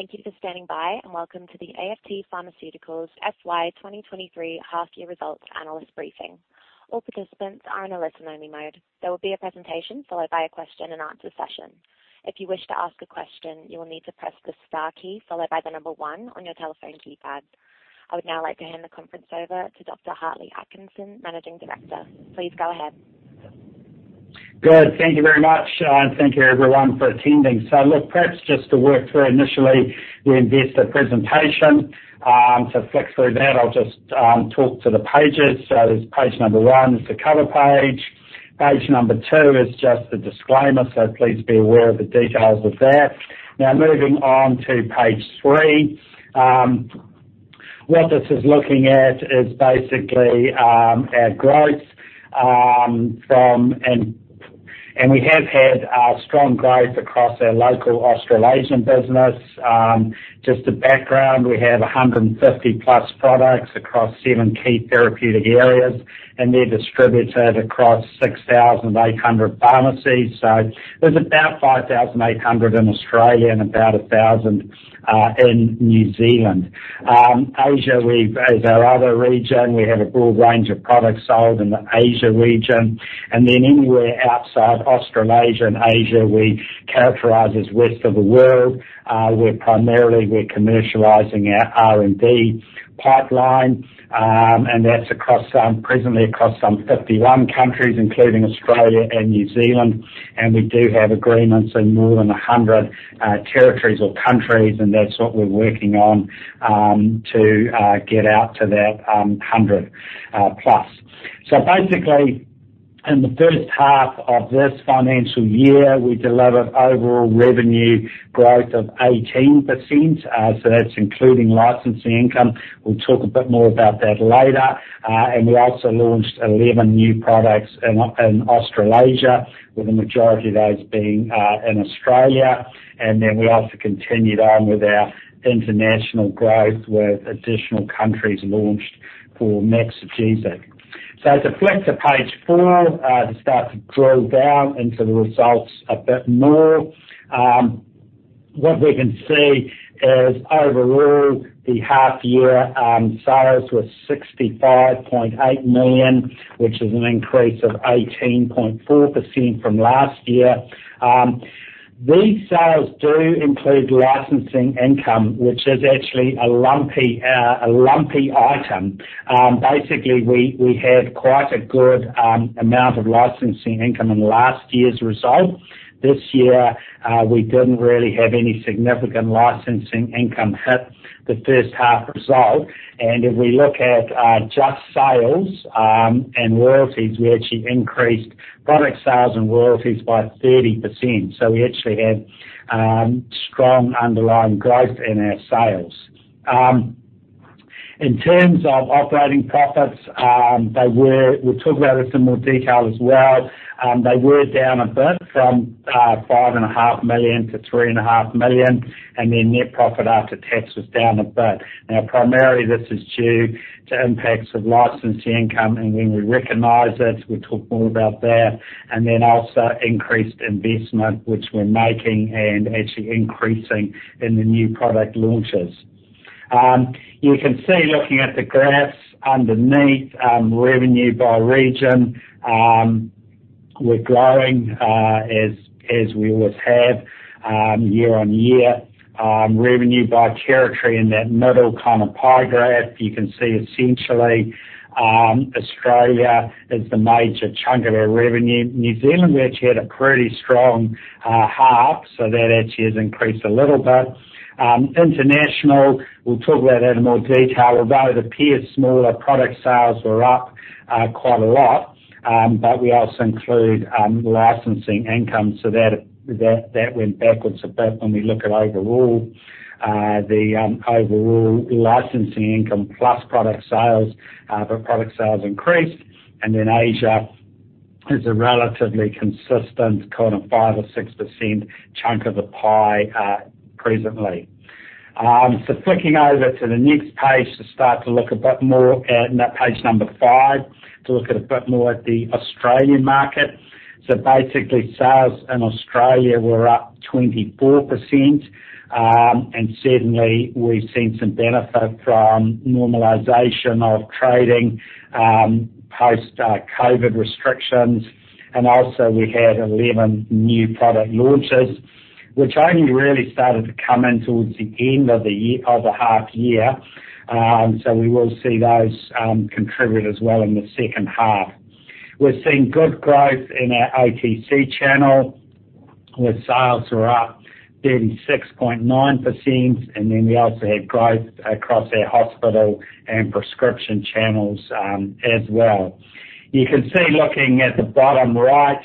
Thank you for standing by. Welcome to the AFT Pharmaceuticals FY 2023 half year results analyst briefing. All participants are in a listen-only mode. There will be a presentation followed by a question and answer session. If you wish to ask a question, you will need to press the Star key followed by one on your telephone keypad. I would now like to hand the conference over to Dr. Hartley Atkinson, Managing Director. Please go ahead. Good. Thank you very much. Thank you everyone for attending. Look, perhaps just to work through initially the investor presentation. Flick through that, I'll just talk to the pages. Page number one is the cover page. Page number two is just the disclaimer, please be aware of the details of that. Now, moving on to page three. What this is looking at is basically our growth from... We have had strong growth across our local Australasian business. Just a background, we have 150+ products across seven key therapeutic areas, and they're distributed across 6,800 pharmacies. There's about 5,800 in Australia and about 1,000 in New Zealand. Asia is our other region. We have a broad range of products sold in the Asia region. Anywhere outside Australasia and Asia we characterize as Rest of World. We're primarily commercializing our R&D pipeline, and that's across, presently across some 51 countries, including Australia and New Zealand. We do have agreements in more than 100 territories or countries, and that's what we're working on to get out to that 100 plus. Basically, in the first half of this financial year, we delivered overall revenue growth of 18%. That's including licensing income. We'll talk a bit more about that later. We also launched 11 new products in Australasia, with the majority of those being in Australia. We also continued on with our international growth with additional countries launched for Maxigesic. To flick to page four, to start to drill down into the results a bit more. What we can see is overall the half year sales were 65.8 million, which is an increase of 18.4% from last year. These sales do include licensing income, which is actually a lumpy item. Basically we had quite a good amount of licensing income in last year's result. This year, we didn't really have any significant licensing income hit the first half result. If we look at just sales and royalties, we actually increased product sales and royalties by 30%. We actually had strong underlying growth in our sales. In terms of operating profits, they were, we'll talk about this in more detail as well. They were down a bit from 5.5 million to 3.5 million, and their net profit after tax was down a bit. Primarily this is due to impacts of licensing income, and when we recognize it, we'll talk more about that. Also increased investment which we're making and actually increasing in the new product launches. You can see looking at the graphs underneath, revenue by region, we're growing as we always have, year on year. Revenue by territory in that middle kind of pie graph, you can see essentially, Australia is the major chunk of our revenue. New Zealand actually had a pretty strong half, so that actually has increased a little bit. International, we'll talk about that in more detail. Although it appears smaller, product sales were up quite a lot. We also include licensing income, so that went backwards a bit when we look at overall the overall licensing income plus product sales. Product sales increased. Asia is a relatively consistent kind of 5% or 6% chunk of the pie presently. Flicking over to the next page to start to look a bit more at, and that page number five, to look at a bit more at the Australian market. Basically, sales in Australia were up 24%. Certainly we've seen some benefit from normalization of trading post COVID restrictions. Also we had 11 new product launches, which only really started to come in towards the end of the half year. We will see those contribute as well in the second half. We're seeing good growth in our OTC channel, where sales are up 36.9%, and then we also have growth across our hospital and prescription channels as well. You can see looking at the bottom right,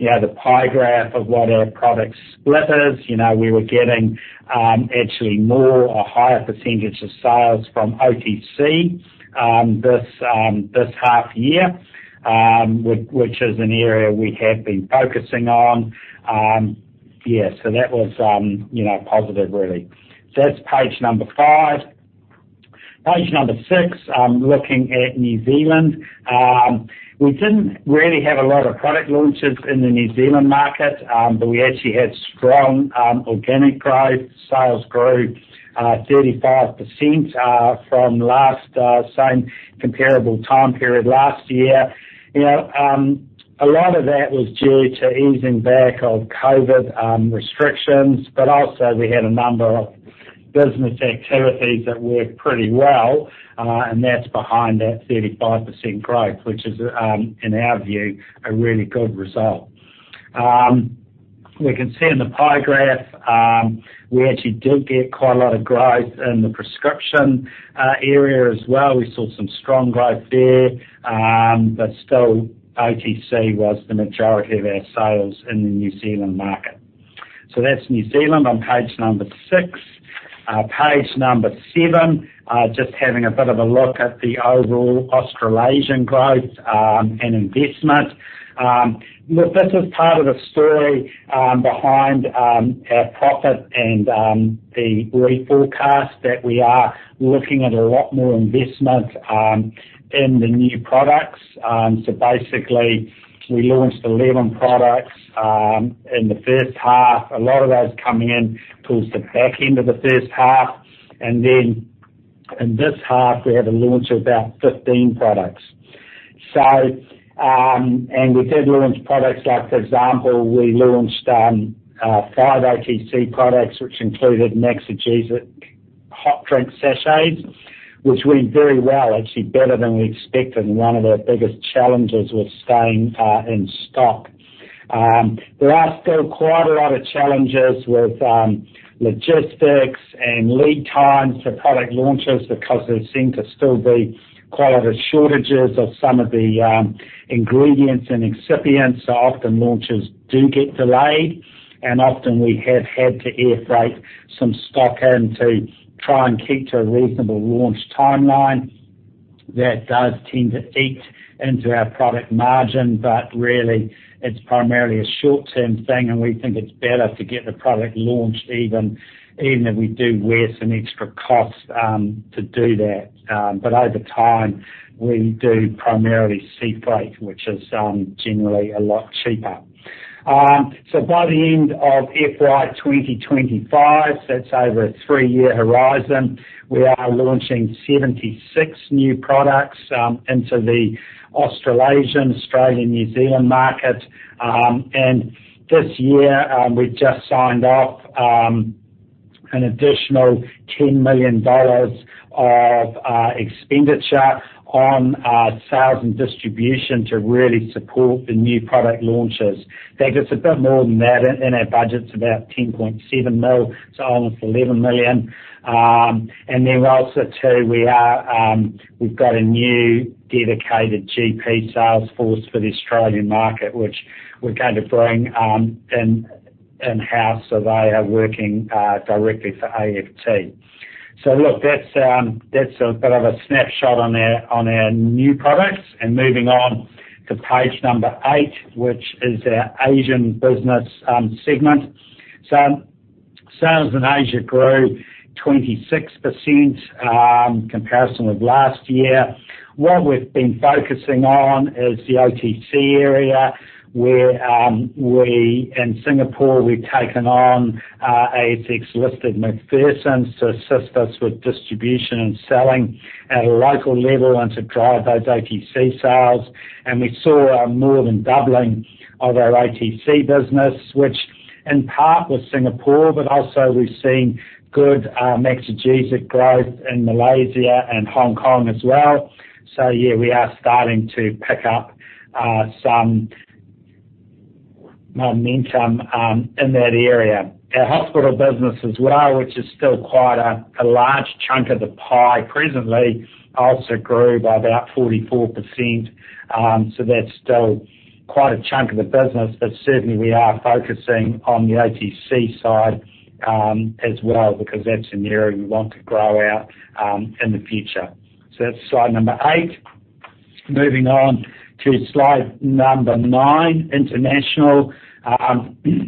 the pie graph of what our product split is. We were getting actually more or higher percentage of sales from OTC this half year, which is an area we have been focusing on. That was positive really. That's page number five. Page number six, looking at New Zealand. We didn't really have a lot of product launches in the New Zealand market, but we actually had strong organic growth. Sales grew 35% from last, same comparable time period last year. You know, a lot of that was due to easing back of COVID restrictions, but also we had a number of business activities that worked pretty well, and that's behind that 35% growth, which is, in our view, a really good result. We can see in the pie graph, we actually did get quite a lot of growth in the prescription, area as well. We saw some strong growth there, but still OTC was the majority of our sales in the New Zealand market. That's New Zealand on page number six. Page number seven, just having a bit of a look at the overall Australasian growth, and investment. Look, this is part of the story behind our profit and the reforecast that we are looking at a lot more investment in the new products. Basically, we launched 11 products in the first half. A lot of those come in towards the back end of the first half. Then in this half, we have a launch of about 15 products. We did launch products like, for example, we launched five OTC products, which included Maxigesic hot drink sachets, which went very well, actually better than we expected. One of our biggest challenges was staying in stock. There are still quite a lot of challenges with logistics and lead times for product launches because there seem to still be quite a lot of shortages of some of the ingredients and excipients. Often launches do get delayed, and often we have had to air freight some stock in to try and keep to a reasonable launch timeline. That does tend to eat into our product margin, but really, it's primarily a short-term thing, and we think it's better to get the product launched even if we do wear some extra cost to do that. Over time, we do primarily sea freight, which is generally a lot cheaper. By the end of FY 2025, so that's over a three-year horizon, we are launching 76 new products into the Australasian, Australian, New Zealand market. This year, we just signed off an additional 10 million dollars of expenditure on sales and distribution to really support the new product launches. In fact, it's a bit more than that. In our budget it's about 10.7 million, so almost 11 million. Also too, we are, we've got a new dedicated GP sales force for the Australian market, which we're going to bring in-house, so they are working directly for AFT. Look, that's a bit of a snapshot on our, on our new products. Moving on to page eight, which is our Asian business segment. Sales in Asia grew 26% comparison with last year. What we've been focusing on is the OTC area, where in Singapore, we've taken on ASX-listed McPherson's to assist us with distribution and selling at a local level and to drive those OTC sales. We saw more than doubling of our OTC business, which in part was Singapore, but also we've seen good Maxigesic growth in Malaysia and Hong Kong as well. Yeah, we are starting to pick up some momentum in that area. Our hospital business as well, which is still quite a large chunk of the pie presently, also grew by about 44%. That's still quite a chunk of the business. Certainly we are focusing on the OTC side as well because that's an area we want to grow out in the future. That's slide number eight. Moving on to slide number nine, international.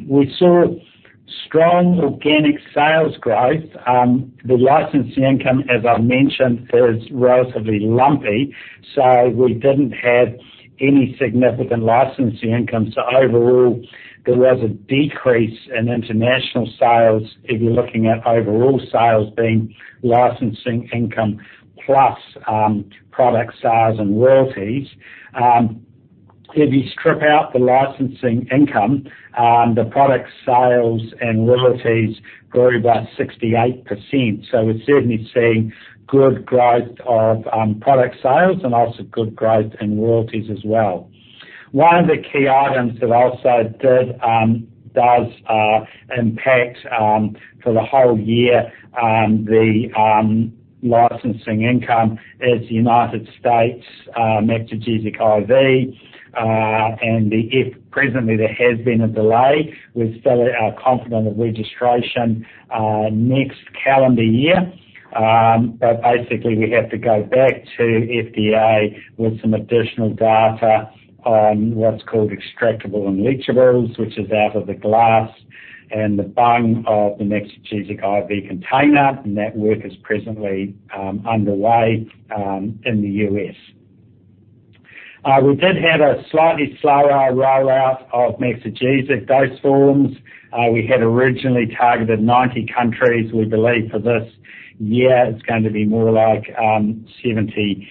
We saw strong organic sales growth. The licensing income, as I mentioned, is relatively lumpy, so we didn't have any significant licensing income. Overall, there was a decrease in international sales if you're looking at overall sales being licensing income plus product sales and royalties. If you strip out the licensing income, the product sales and royalties grew by 68%. We're certainly seeing good growth of product sales and also good growth in royalties as well. One of the key items that also did does impact for the whole year, the licensing income is United States Maxigesic IV. Presently there has been a delay. We're still confident of registration next calendar year. Basically we have to go back to FDA with some additional data on what's called Extractables and Leachables, which is out of the glass and the bung of the Maxigesic IV container, and that work is presently underway in the U.S.. We did have a slightly slower rollout of Maxigesic dose forms. We had originally targeted 90 countries. We believe for this year, it's going to be more like 70,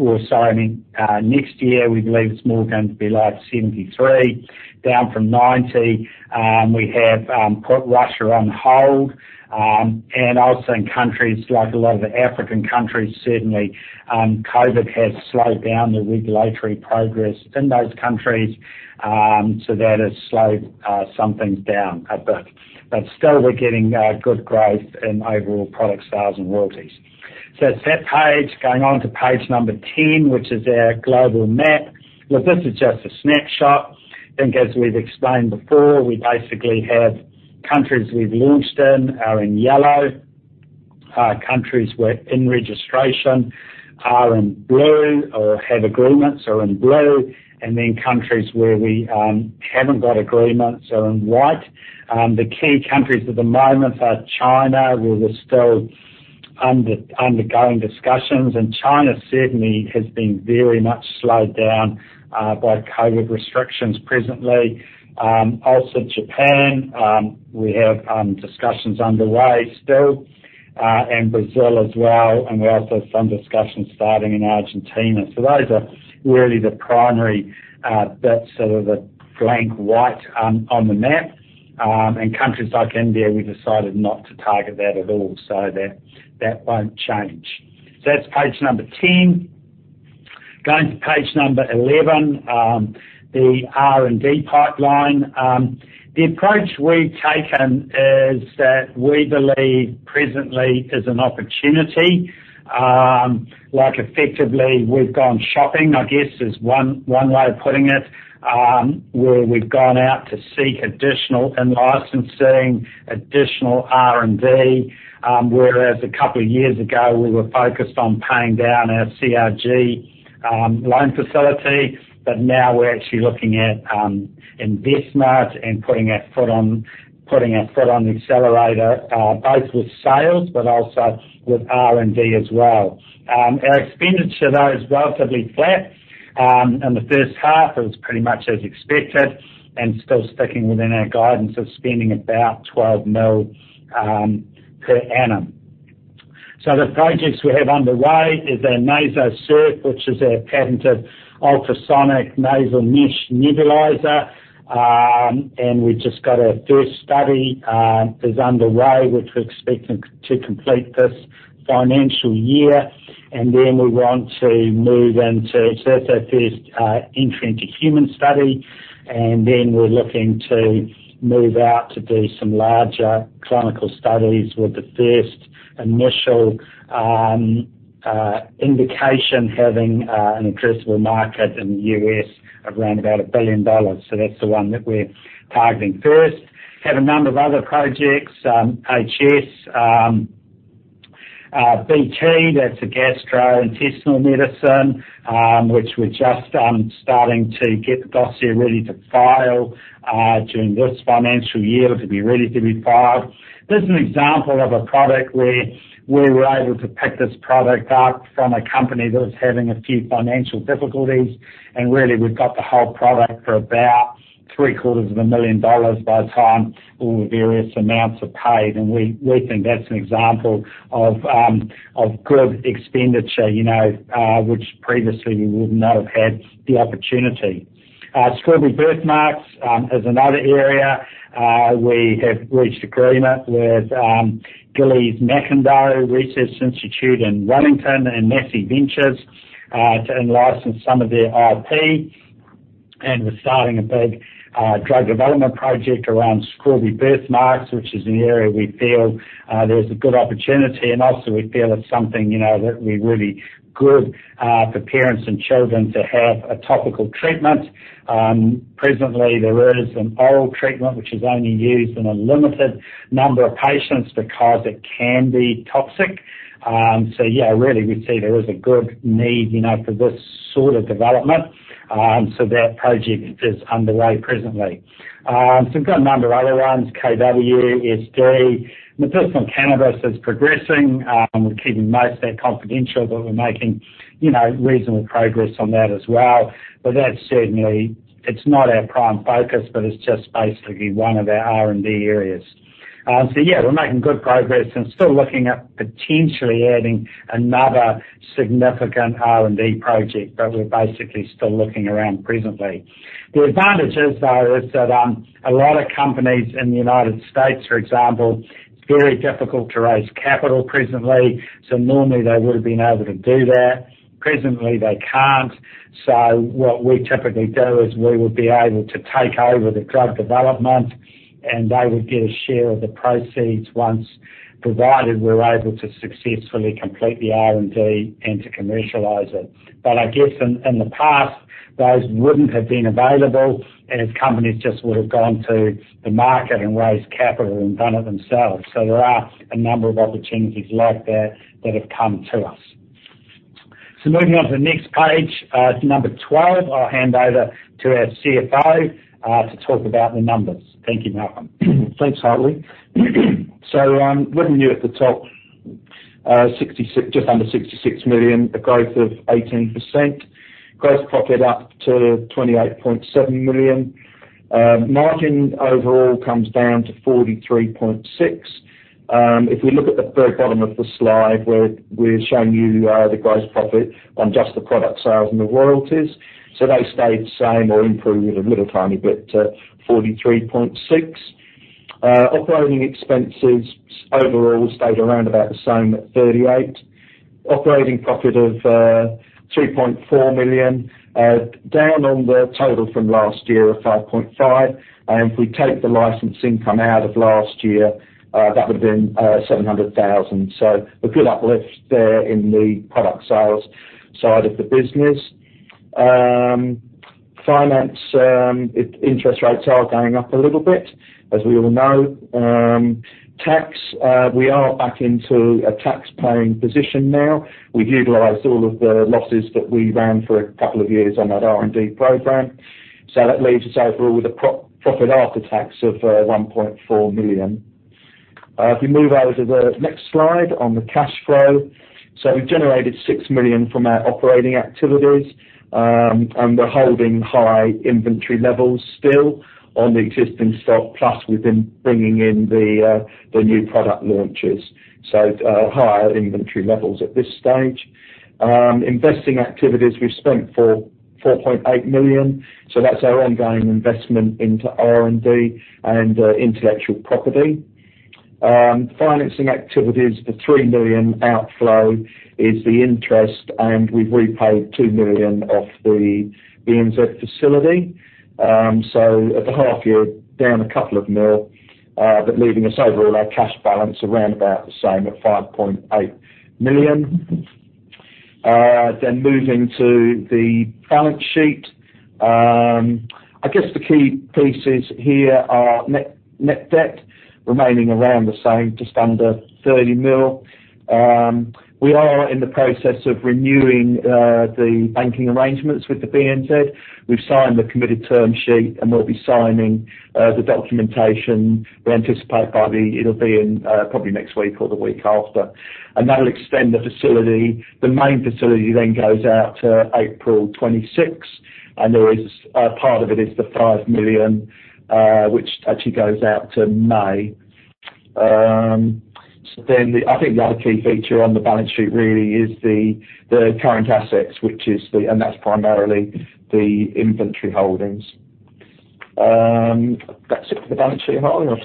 or sorry, next year, we believe it's more going to be like 73 down from 90. We have put Russia on hold, and also in countries like a lot of the African countries, certainly, COVID has slowed down the regulatory progress in those countries. That has slowed some things down a bit. Still we're getting good growth in overall product sales and royalties. It's that page, going on to page number 10, which is our global map. Look, this is just a snapshot. I think as we've explained before, we basically have countries we've launched in are in yellow, countries we're in registration are in blue, or have agreements are in blue, and then countries where we haven't got agreements are in white. The key countries at the moment are China, where we're still undergoing discussions, and China certainly has been very much slowed down by COVID restrictions presently. Also Japan, we have discussions underway still, and Brazil as well, and we also have some discussions starting in Argentina. Those are really the primary bits of the blank white on the map. And countries like India, we decided not to target that at all, so that won't change. That's page number 10. Going to page number 11, the R&D pipeline. The approach we've taken is that we believe presently is an opportunity. Like effectively, we've gone shopping, I guess, is one way of putting it. Where we've gone out to seek additional in-licensing, additional R&D, whereas a couple of years ago, we were focused on paying down our CRG loan facility, but now we're actually looking at investment and putting our foot on the accelerator, both with sales, but also with R&D as well. Our expenditure though is relatively flat. In the first half, it was pretty much as expected and still sticking within our guidance of spending about 12 million per annum. The projects we have underway is our NasoSURF, which is our patented ultrasonic nasal mesh nebulizer. We just got our first study is underway, which we're expecting to complete this financial year. We want to move into. That's our first entry into human study, we're looking to move out to do some larger clinical studies with the first initial indication having an addressable market in the U.S. around about $1 billion. That's the one that we're targeting first. Have a number of other projects, HS, BT, that's a gastrointestinal medicine, which we're just starting to get the dossier ready to file during this financial year to be ready to be filed. This is an example of a product where we were able to pick this product up from a company that was having a few financial difficulties, really, we've got the whole product for about 3/4 of a million dollars by the time all the various amounts are paid. We think that's an example of good expenditure, you know, which previously we would not have had the opportunity. Strawberry birthmarks is another area. We have reached agreement with Gillies McIndoe Research Institute in Wellington and Massey Ventures to in-license some of their IP. We're starting a big drug development project around strawberry birthmarks, which is an area we feel there's a good opportunity. Also we feel it's something, you know, that would be really good for parents and children to have a topical treatment. Presently, there is an oral treatment which is only used in a limited number of patients because it can be toxic. Yeah, really we see there is a good need, you know, for this sort of development. That project is underway presently. We've got a number of other ones, Project KW, Project SD. medicinal cannabis is progressing. We're keeping most of that confidential, but we're making, you know, reasonable progress on that as well. That's certainly, it's not our prime focus, but it's just basically one of our R&D areas. Yeah, we're making good progress and still looking at potentially adding another significant R&D project, but we're basically still looking around presently. The advantage is, though, is that a lot of companies in the United States, for example, it's very difficult to raise capital presently, so normally they would have been able to do that. Presently, they can't. What we typically do is we would be able to take over the drug development, and they would get a share of the proceeds once provided we're able to successfully complete the R&D and to commercialize it. I guess in the past, those wouldn't have been available as companies just would have gone to the market and raised capital and done it themselves. There are a number of opportunities like that that have come to us. Moving on to the next page, to number 12. I'll hand over to our CFO to talk about the numbers. Thank you, Malcolm. Thanks, Hartley. Revenue at the top, just under 66 million, a growth of 18%. Gross profit up to 28.7 million. Margin overall comes down to 43.6%. If we look at the very bottom of the slide where we're showing you, the gross profit on just the product sales and the royalties, so they stayed the same or improved a little tiny bit to 43.6%. Operating expenses overall stayed around about the same at 38 million. Operating profit of 3.4 million, down on the total from last year of 5.5 million. If we take the licensing come out of last year, that would have been 700,000. A good uplift there in the product sales side of the business. Finance, interest rates are going up a little bit, as we all know. Tax, we are back into a tax paying position now. We've utilized all of the losses that we ran for a couple of years on that R&D program. That leaves us overall with a pro-profit after tax of 1.4 million. If we move over to the next slide on the cash flow. We've generated 6 million from our operating activities, and we're holding high inventory levels still on the existing stock, plus we've been bringing in the new product launches, higher inventory levels at this stage. Investing activities, we've spent for 4.8 million, that's our ongoing investment into R&D and intellectual property. Financing activities, the 3 million outflow is the interest, and we've repaid 2 million of the BNZ facility. At the half year, down a couple of mil, but leaving us overall our cash balance around about the same at 5.8 million. Moving to the balance sheet. I guess the key pieces here are net debt remaining around the same, just under 30 million. We are in the process of renewing, the banking arrangements with the BNZ. We've signed the committed term sheet, and we'll be signing, the documentation. We anticipate it'll be in, probably next week or the week after. That'll extend the facility. The main facility then goes out to April 2026, and there is, a part of it is the 5 million, which actually goes out to May. I think the other key feature on the balance sheet really is the current assets, and that's primarily the inventory holdings. That's it for the balance sheet, Hartley. I'll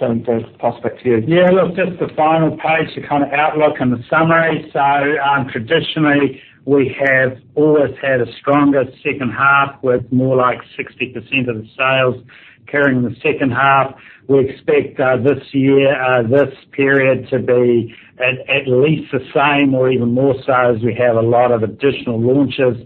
pass back to you. Yeah. Look, just the final page, the kinda outlook and the summary. Traditionally, we have always had a stronger second half with more like 60% of the sales carrying the second half. We expect this year, this period to be at least the same or even more so as we have a lot of additional launches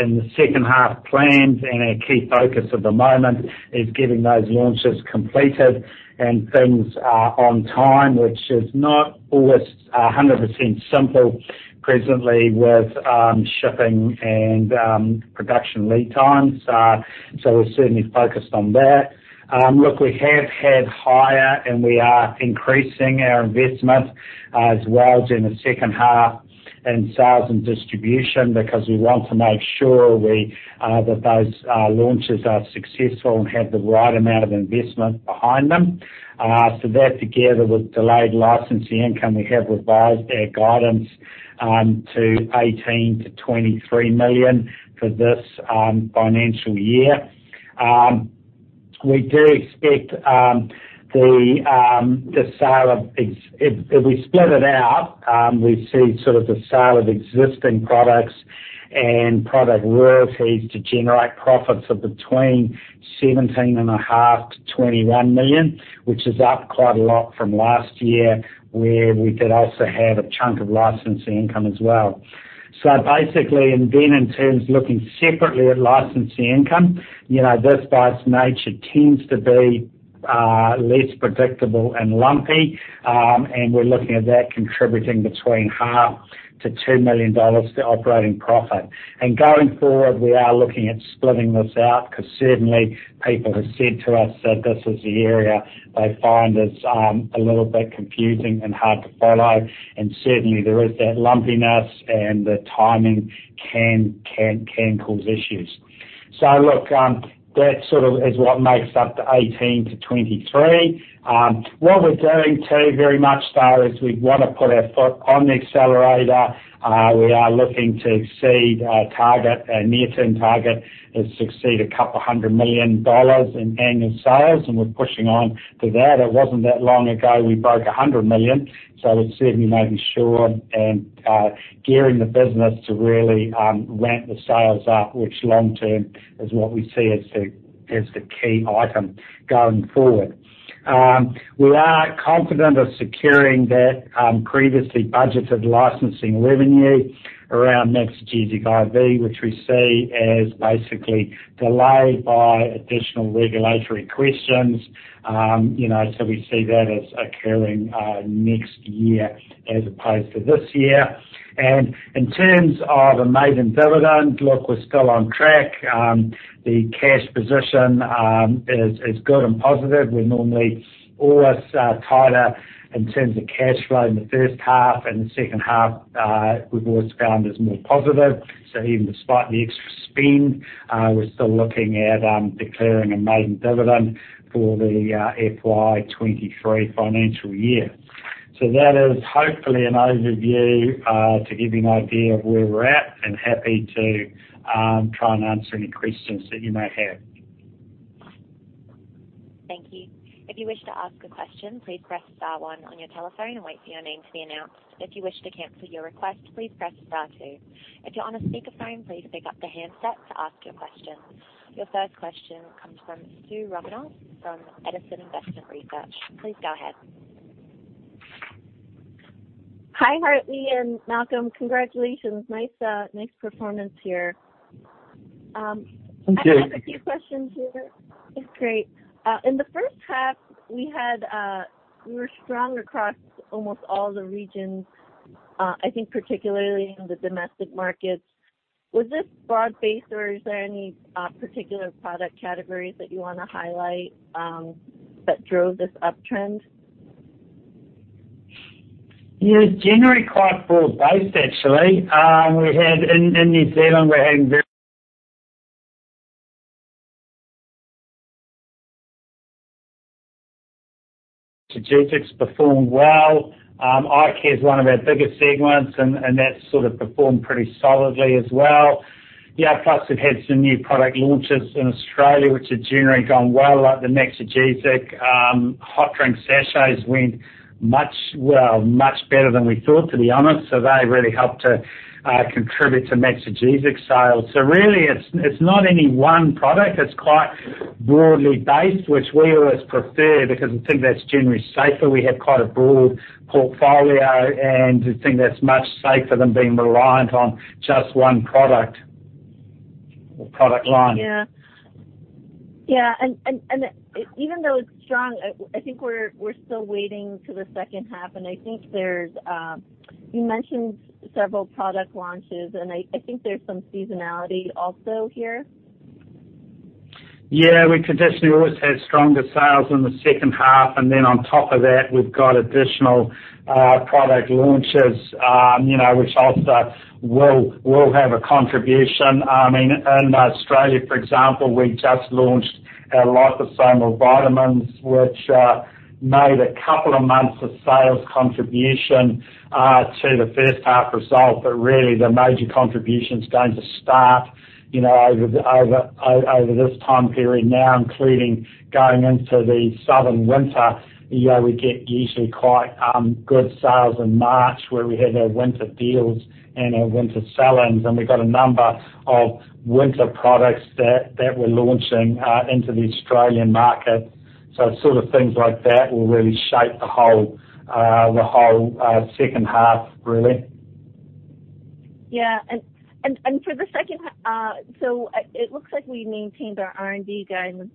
in the second half planned. Our key focus at the moment is getting those launches completed and things on time, which is not always 100% simple presently with shipping and production lead times. We're certainly focused on that. Look, we have had higher, and we are increasing our investment as well in the second half in sales and distribution because we want to make sure we that those launches are successful and have the right amount of investment behind them. That together with delayed licensing income, we have revised our guidance to 18 million-23 million for this financial year. We do expect. If we split it out, we see sort of the sale of existing products and product royalties to generate profits of between 17.5 million-21 million, which is up quite a lot from last year, where we did also have a chunk of licensing income as well. Basically, then in terms of looking separately at licensing income, you know, this by its nature tends to be less predictable and lumpy, and we're looking at that contributing between 0.5 million-2 million dollars to operating profit. Going forward, we are looking at splitting this out, 'cause certainly people have said to us that this is the area they find is a little bit confusing and hard to follow, and certainly, there is that lumpiness, and the timing can cause issues. Look, that sort of is what makes up the 18 million-23 million. What we're doing too, very much so, is we wanna put our foot on the accelerator. We are looking to exceed our target. Our near-term target is to exceed a couple 100 million dollars in annual sales, and we're pushing on to that. It wasn't that long ago we broke 100 million, so we're certainly making sure and gearing the business to really ramp the sales up, which long term is what we see as the key item going forward. We are confident of securing that previously budgeted licensing revenue around Maxigesic IV, which we see as basically delayed by additional regulatory questions. You know, so we see that as occurring next year as opposed to this year. In terms of a maiden dividend, look, we're still on track. The cash position is good and positive. We're normally always tighter in terms of cash flow in the first half, and the second half, we've always found is more positive. Even despite the extra spend, we're still looking at declaring a maiden dividend for the FY 2023 financial year. That is hopefully an overview to give you an idea of where we're at, and happy to try and answer any questions that you may have. Thank you. If you wish to ask a question, please press star one on your telephone and wait for your name to be announced. If you wish to cancel your request, please press star two. If you're on a speakerphone, please pick up the handset to ask your question. Your first question comes from Sue Rovner from Edison Investment Research. Please go ahead. Hi, Hartley and Malcolm. Congratulations. Nice performance here. Thank you. I just have a few questions here. Great. In the first half, we were strong across almost all the regions, I think particularly in the domestic markets. Was this broad-based, or is there any particular product categories that you wanna highlight that drove this uptrend? It's generally quite broad-based actually. In New Zealand, we're having very strategics performed well. Eye Care is one of our biggest segments and that sort of performed pretty solidly as well. Plus we've had some new product launches in Australia, which have generally gone well, like the Maxigesic hot drink sachets went much better than we thought, to be honest. They really helped to contribute to Maxigesic sales. Really it's not any one product. It's quite broadly based, which we always prefer because we think that's generally safer. We have quite a broad portfolio, we think that's much safer than being reliant on just one product or product line. Yeah. Yeah, even though it's strong, I think we're still waiting till the second half. You mentioned several product launches. I think there's some seasonality also here. Yeah. We traditionally always have stronger sales in the second half. On top of that, we've got additional product launches, you know, which also will have a contribution. I mean, in Australia, for example, we just launched our liposomal vitamins, which made a couple of months of sales contribution to the first half result. Really the major contribution's going to start, you know, over this time period now, including going into the southern winter. You know, we get usually quite good sales in March, where we have our winter deals and our winter sellings, and we've got a number of winter products that we're launching into the Australian market. Sort of things like that will really shape the whole second half, really. It looks like we maintained our R&D guidance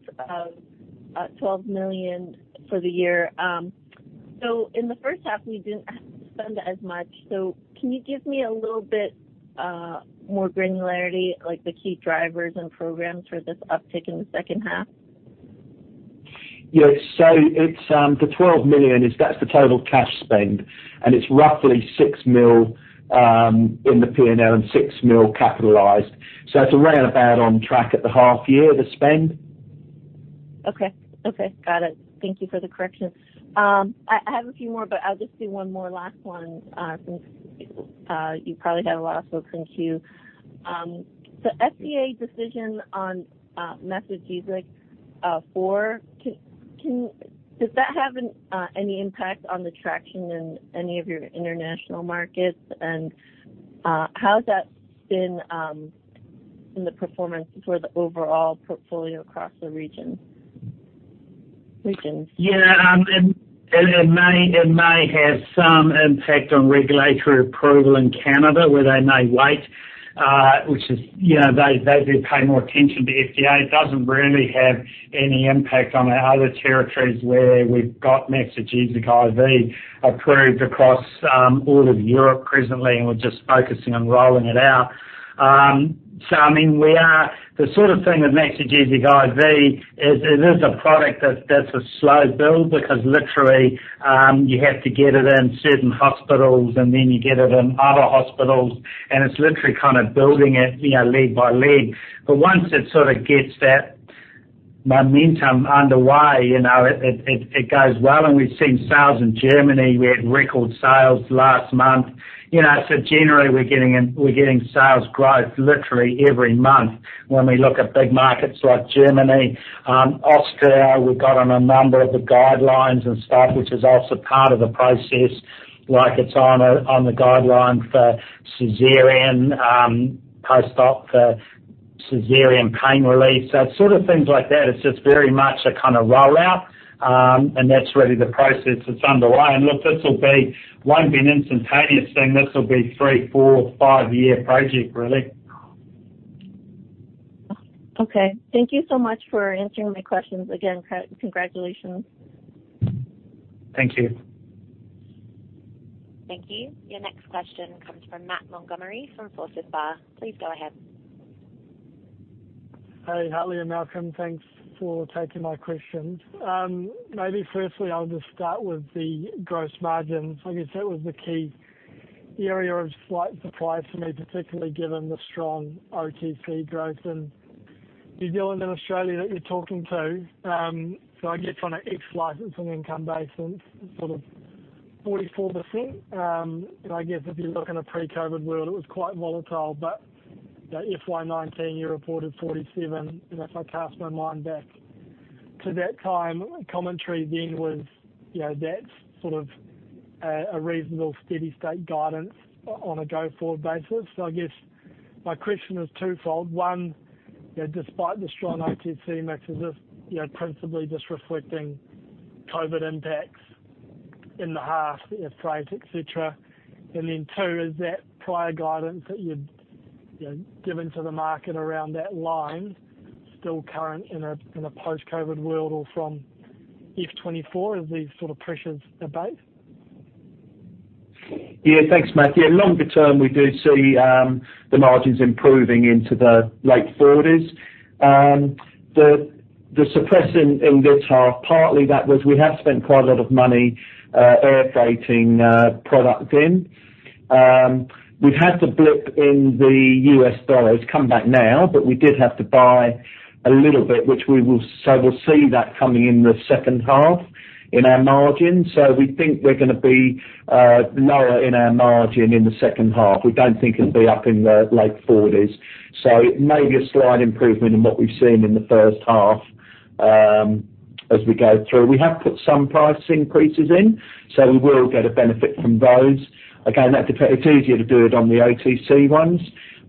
of 12 million for the year. In the first half, we didn't have to spend as much. Can you give me a little bit more granularity, like the key drivers and programs for this uptick in the second half? Yeah. It's, the 12 million is, that's the total cash spend, and it's roughly 6 million in the P&L and 6 million capitalized. It's around about on track at the half year, the spend. Okay. Okay. Got it. Thank you for the correction. I have a few more, but I'll just do 1 more last one, since you probably have a lot of folks in queue. The FDA decision on Maxigesic Four, Does that have any impact on the traction in any of your international markets? How has that been in the performance for the overall portfolio across the regions? Yeah. It may have some impact on regulatory approval in Canada, where they may wait, which is. You know, they do pay more attention to FDA. It doesn't really have any impact on our other territories where we've got Maxigesic IV approved across all of Europe presently, and we're just focusing on rolling it out. I mean, the sort of thing with Maxigesic IV is it is a product that's a slow build because literally, you have to get it in certain hospitals, and then you get it in other hospitals, and it's literally kind of building it, you know, leg by leg. Once it sort of gets that momentum underway, you know, it goes well. We've seen sales in Germany. We had record sales last month. You know, generally, we're getting sales growth literally every month when we look at big markets like Germany. Austria, we've got on a number of the guidelines and stuff, which is also part of the process. Like it's on a, on the guideline for cesarean, postop for cesarean pain relief. It's sort of things like that. It's just very much a kind of rollout, and that's really the process that's underway. Look, Won't be an instantaneous thing. This will be three, four, five-year project, really. Okay. Thank you so much for answering my questions. Again, congratulations. Thank you. Thank you. Your next question comes from Matt Montgomerie from Forsyth Barr. Please go ahead. Hey, Hartley and Malcolm. Thanks for taking my questions. Maybe firstly, I'll just start with the gross margins. I guess that was the key area of slight surprise for me, particularly given the strong OTC growth in New Zealand and Australia that you're talking to. I guess on an ex-licensing income basis, sort of 44%. I guess if you look in a pre-COVID world, it was quite volatile, but, you know, FY 2019, you reported 47%. If I cast my mind back to that time, commentary then was, you know, that's sort of a reasonable steady state guidance on a go-forward basis. I guess my question is twofold. One, you know, despite the strong OTC mix, is this, you know, principally just reflecting COVID impacts in the half, air freight, et cetera? Two, is that prior guidance that you'd, you know, given to the market around that line still current in a post-COVID world or from FY 2024 as these sort of pressures abate? Yeah. Thanks, Matt. Yeah, longer term, we do see the margins improving into the late 40s. The suppressing in this half, partly that was, we have spent quite a lot of money air freighting product in. We've had to blip in the U.S. dollar. It's come back now, but we did have to buy a little bit, which we will so we'll see that coming in the second half in our margins. We think we're gonna be lower in our margin in the second half. We don't think it'll be up in the late 40s. It may be a slight improvement in what we've seen in the first half as we go through. We have put some price increases in, so we will get a benefit from those. Again, that it's easier to do it on the OTC ones.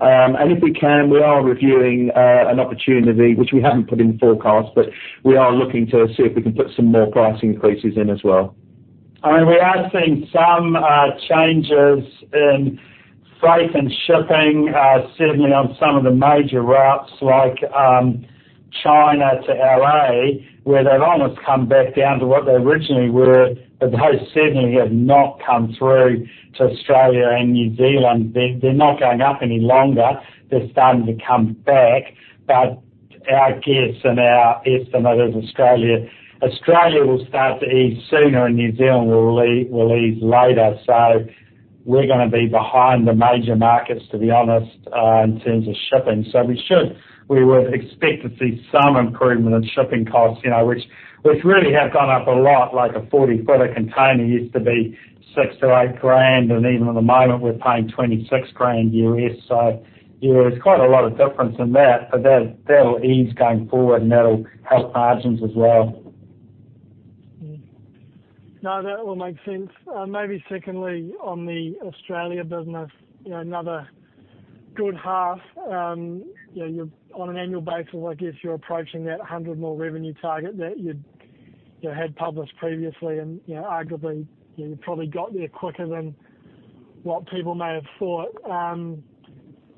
If we can, we are reviewing an opportunity which we haven't put in the forecast, but we are looking to see if we can put some more price increases in as well. I mean, we are seeing some changes in freight and shipping, certainly on some of the major routes like China to L.A., where they've almost come back down to what they originally were, but those certainly have not come through to Australia and New Zealand. They're not going up any longer. They're starting to come back. Our guess and our estimate is Australia will start to ease sooner, and New Zealand will ease later. We're gonna be behind the major markets, to be honest, in terms of shipping. We would expect to see some improvement in shipping costs, you know, which really have gone up a lot, like a 40-footer container used to be 6,000-8,000, and even at the moment we're paying 26,000 US. you know, there's quite a lot of difference in that, but that'll ease going forward, and that'll help margins as well. No, that all makes sense. Maybe secondly, on the Australia business, you know, another good half. You know, you're on an annual basis, I guess you're approaching that 100 million revenue target that you'd, you know, had published previously. You know, arguably, you know, you probably got there quicker than what people may have thought.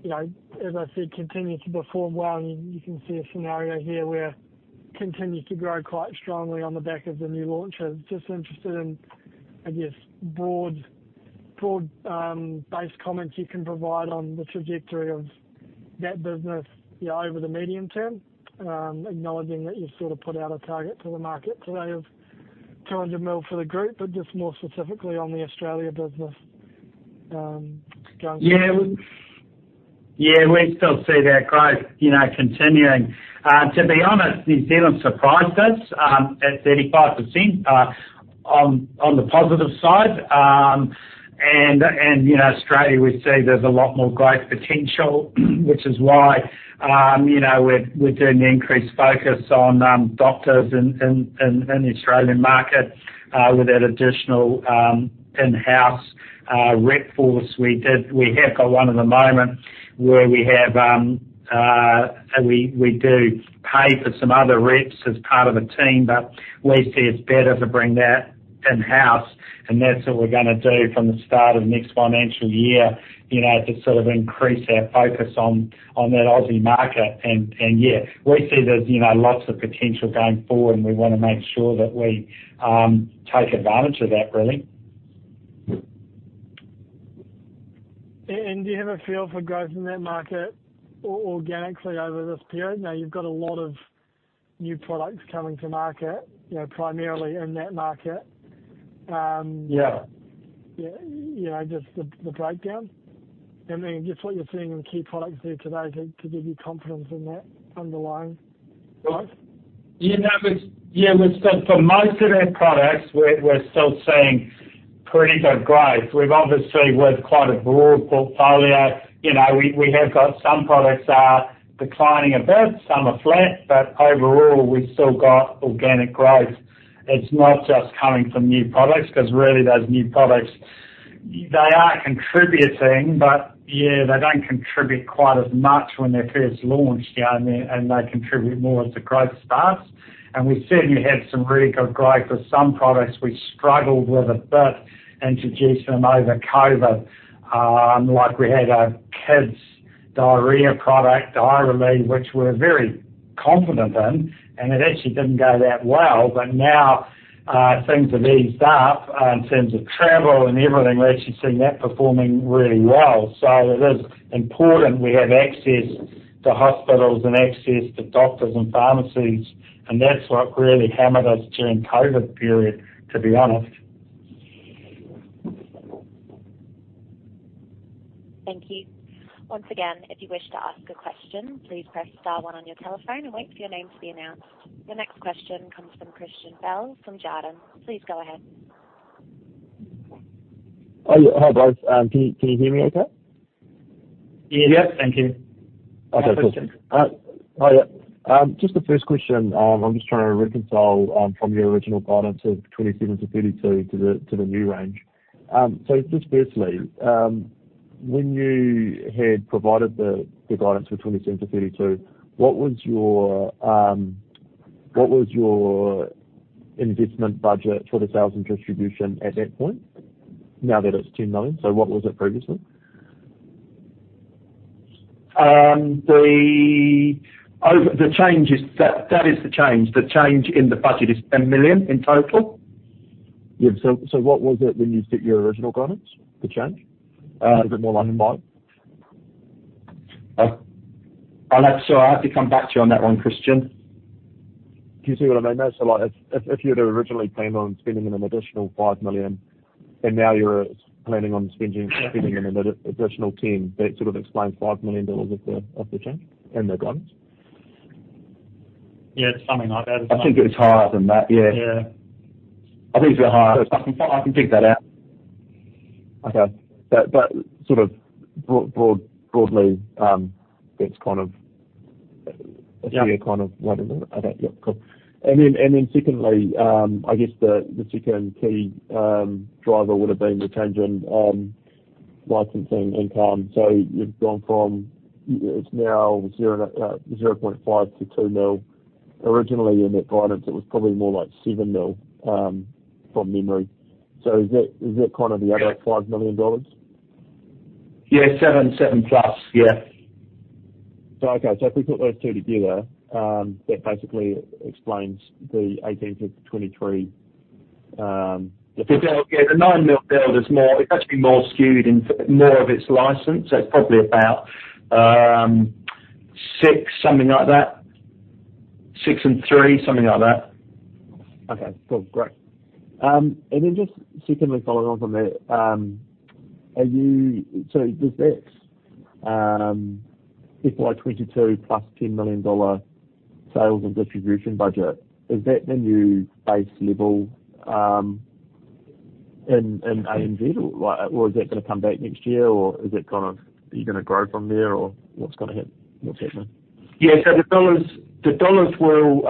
You know, as I said, continue to perform well. You can see a scenario here where continue to grow quite strongly on the back of the new launches. Just interested in, I guess, broad base comments you can provide on the trajectory of that business, you know, over the medium term. Acknowledging that you've sort of put out a target to the market today of 200 million for the group, but just more specifically on the Australia business, going forward. Yeah. We, yeah, we still see that growth, you know, continuing. To be honest, New Zealand surprised us at 35% on the positive side. You know, Australia we see there's a lot more growth potential which is why, you know, we're doing the increased focus on doctors in the Australian market with that additional in-house rep force. We have got one at the moment where we have, we do pay for some other reps as part of a team, but we see it's better to bring that in-house, and that's what we're gonna do from the start of next financial year, you know, to sort of increase our focus on that Aussie market. Yeah, we see there's, you know, lots of potential going forward, and we wanna make sure that we take advantage of that, really. Do you have a feel for growth in that market organically over this period? Now you've got a lot of new products coming to market, you know, primarily in that market. Yeah. Yeah, you know, just the breakdown. Then just what you're seeing in the key products there today to give you confidence in that underlying growth. You know, we're still, for most of our products, we're still seeing pretty good growth. We've obviously, with quite a broad portfolio, you know, we have got some products are declining a bit, some are flat, but overall, we've still got organic growth. It's not just coming from new products, 'cause really those new products, they are contributing, but they don't contribute quite as much when they're first launched, you know, and they contribute more as the growth starts. We certainly had some really good growth of some products we struggled with a bit, introducing them over COVID. Like we had a kids' diarrhea product, Dioralyte, which we're very confident in, and it actually didn't go that well. Now, things have eased up in terms of travel and everything. We're actually seeing that performing really well. It is important we have access to hospitals and access to doctors and pharmacies, and that's what really hammered us during COVID period, to be honest. Thank you. Once again, if you wish to ask a question, please press star one on your telephone and wait for your name to be announced. The next question comes from Christian Bell from Jarden. Please go ahead. Oh, yeah, hi, guys. Can you hear me okay? Yeah. Yes. Thank you. Okay, cool. Question. Hi there. Just the first question, I'm just trying to reconcile from your original guidance of 27 million-32 million to the new range. Just firstly, when you had provided the guidance for 27 million-32 million, what was your investment budget for the sales and distribution at that point? Now that it's 10 million, what was it previously? The change is. That is the change. The change in the budget is 1 million in total. Yeah. What was it when you set your original guidance, the change? Uh- A bit more line in mind. I'd have to. I'll have to come back to you on that one, Christian. Do you see what I mean, though? Like if you had originally planned on spending an additional 5 million and now you're planning on spending an additional 10 million, that sort of explains 5 million dollars of the, of the change in the guidance. Yeah, it's something like that. It's not- I think it's higher than that. Yeah. Yeah. I think it's a bit higher. I can figure that out. Okay. But sort of broadly, that's kind of. Yeah. That's where you're kind of wondering about. Yeah. Cool. Secondly, I guess the second key driver would have been the change in licensing income. You've gone from, it's now 0.5 to 2 million. Originally in that guidance, it was probably more like 7 million, from memory. Is that, is that kind of the other- Yeah. 5 million dollars? Yeah. 7+. Yeah. okay. If we put those two together, that basically explains the 18-23. Yeah, the 9 million build is more, it's actually more skewed in more of its license. It's probably about 6 million, something like that. 6 million and 3 million, something like that. Okay. Cool. Great. Just secondly, following on from there, does that FY 2022 plus 10 million dollar sales and distribution budget, is that the new base level in ANZ or is that gonna come back next year or are you gonna grow from there or what's gonna happen? What's happening? Yeah. The dollars, the dollars will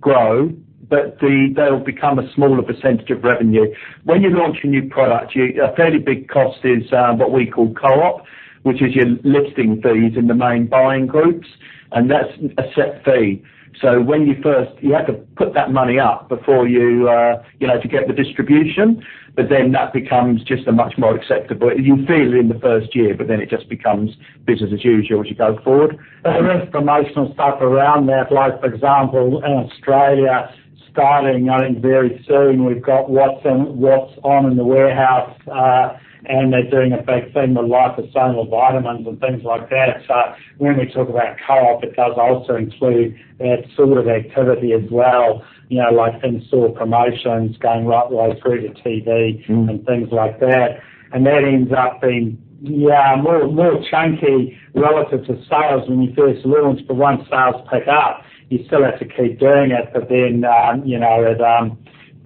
grow, but they'll become a smaller percentage of revenue. When you launch a new product, a fairly big cost is what we call co-op, which is your listing fees in the main buying groups, and that's a set fee. You have to put that money up before you know, to get the distribution, but then that becomes just a much more acceptable. You feel it in the first year, but then it just becomes business as usual as you go forward. Mm-hmm. There is promotional stuff around that, like for example, in Australia, starting, I think very soon, we've got what's on in the warehouse. They're doing a big thing with liposoluble vitamins and things like that. When we talk about co-op, it does also include that sort of activity as well, you know, like in-store promotions going right the way through to TV. Mm-hmm. Things like that. That ends up being, yeah, more chunky relative to sales when you first launch, but once sales pick up, you still have to keep doing it, but then, you know,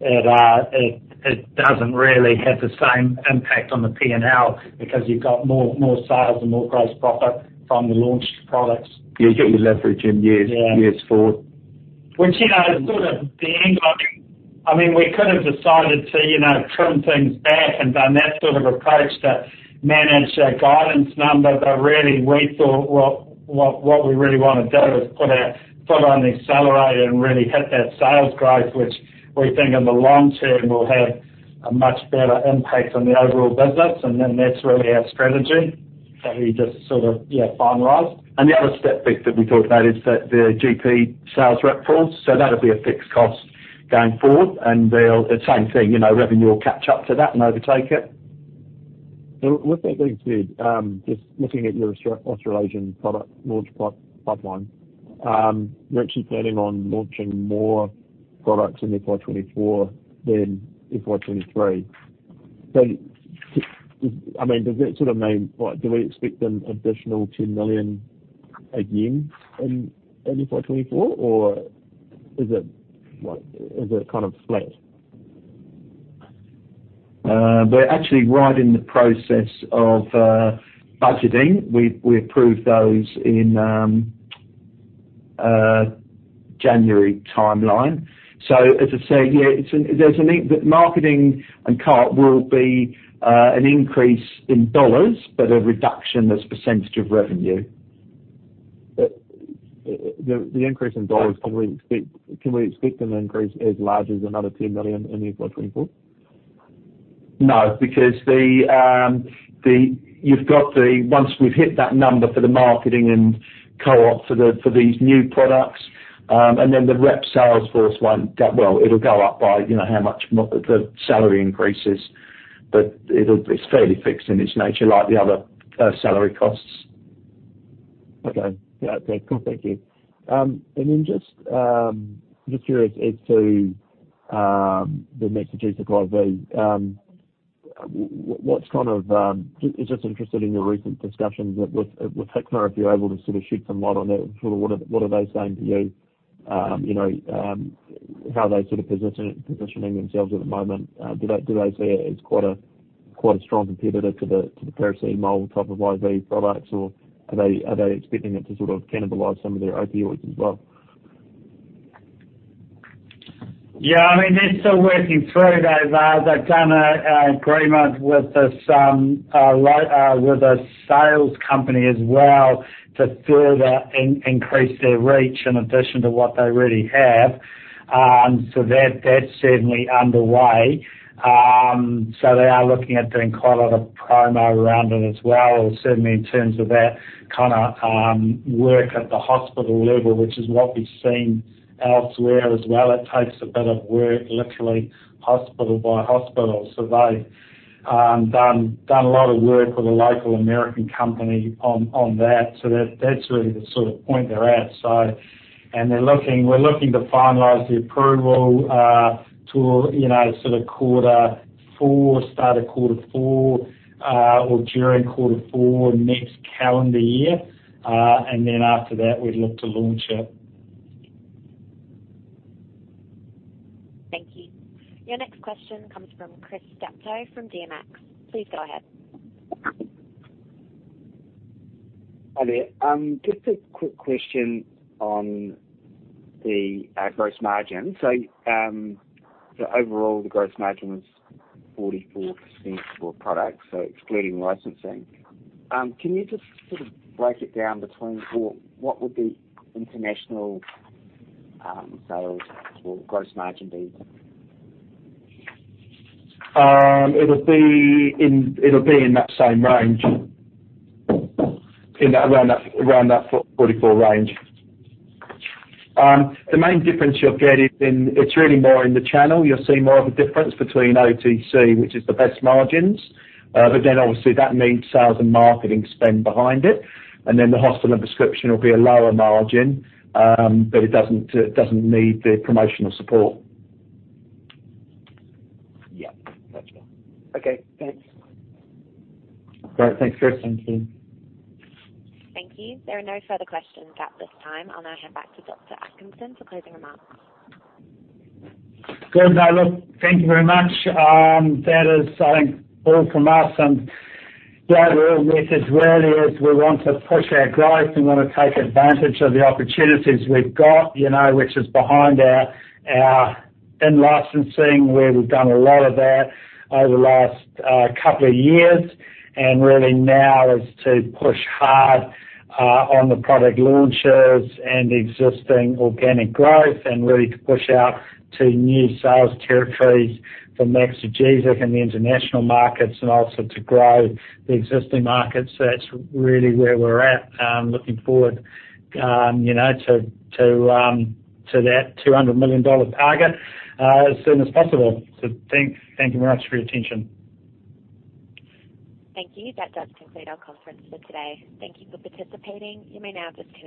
it doesn't really have the same impact on the P&L because you've got more sales and more gross profit from the launched products. Yeah. You get your leverage in years- Yeah. Years forward. Which, you know, sort of the angle. I mean, we could have decided to, you know, trim things back and done that sort of approach to manage our guidance numbers. Really, we thought, well, what we really wanna do is put our foot on the accelerator and really hit that sales growth, which we think in the long term will have a much better impact on the overall business. Then that's really our strategy that we just sort of, yeah, finalized. The other step that we talked about is that the GP sales rep force, so that'll be a fixed cost going forward. The same thing, you know, revenue will catch up to that and overtake it. With that being said, just looking at your Australasian product launch pipeline, you're actually planning on launching more products in FY 2024 than in FY 2023. I mean, does that sort of mean like, do we expect an additional 10 million again in FY 2024 or is it kind of flat? We're actually right in the process of budgeting. We approved those in January timeline. As I say, yeah, there's an increase. Marketing and co-op will be an increase in dollars but a reduction as a percentage of revenue. The increase in dollars, can we expect an increase as large as another 10 million in FY 2024? No, because once we've hit that number for the marketing and co-op for these new products, then the rep sales force won't go well. It'll go up by, you know, how much the salary increases, but it's fairly fixed in its nature, like the other salary costs. Okay. Yeah. Cool. Thank you. Then just curious as to the Maxigesic IV. What's kind of just interested in your recent discussions with Hikma, if you're able to sort of shed some light on that. Sort of what are they saying to you? You know, how are they sort of positioning themselves at the moment? Do they see it as quite a strong competitor to the paracetamol type of IV products, or are they expecting it to sort of cannibalize some of their opioids as well? I mean, they're still working through. They've done an agreement with this with a sales company as well to further increase their reach in addition to what they already have. That, that's certainly underway. They are looking at doing quite a lot of promo around it as well. Certainly in terms of that kinda work at the hospital level, which is what we've seen elsewhere as well. It takes a bit of work, literally hospital by hospital. They've done a lot of work with a local American company on that. That's really the sort of point they're at. And they're looking, we're looking to finalize the approval to, you know, sort of quarter four, start of quarter four, or during quarter four next calendar year. After that, we'd look to launch it. Thank you. Your next question comes from Chris Steptoe from DMX. Please go ahead. Hi there. Just a quick question on the gross margin. Overall the gross margin was 44% for products, so excluding licensing. Can you just sort of break it down between what would the international sales or gross margin be? It'll be in that same range. In that, around that 44 range. The main difference you'll get is in, it's really more in the channel. You'll see more of a difference between OTC, which is the best margins. Obviously that needs sales and marketing spend behind it, and then the hospital and prescription will be a lower margin. It doesn't need the promotional support. Yeah. That's all. Okay, thanks. Great. Thanks, Chris. Thank you. There are no further questions at this time. I'll now hand back to Dr. Atkinson for closing remarks. Good. Now look, thank you very much. That is, I think all from us. Yeah, the old message really is we want to push our growth. We wanna take advantage of the opportunities we've got, you know, which is behind our in-licensing, where we've done a lot of that over the last couple of years. Really now is to push hard on the product launches and existing organic growth and really to push out to new sales territories for Maxigesic in the international markets and also to grow the existing markets. That's really where we're at, looking forward, you know, to that 200 million dollar target as soon as possible. Thank you very much for your attention. Thank you. That does conclude our conference for today. Thank you for participating. You may now disconnect.